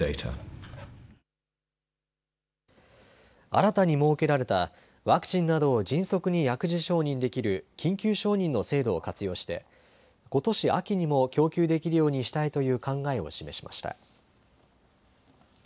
新たに設けられたワクチンなどを迅速に薬事承認できる緊急承認の制度を活用して、ことし秋にも供給できるようにしたいという考えを示しました。